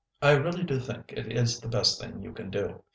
"I really do think it is the best thing you can do.